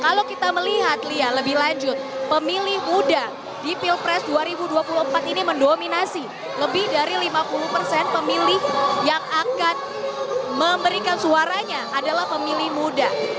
kalau kita melihat lihat lebih lanjut pemilih muda di pilpres dua ribu dua puluh empat ini mendominasi lebih dari lima puluh persen pemilih yang akan memberikan suaranya adalah pemilih muda